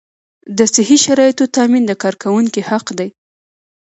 د صحي شرایطو تامین د کارکوونکي حق دی.